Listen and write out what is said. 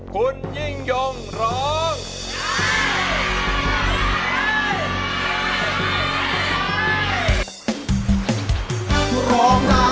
คุณยิ่งยงร้อง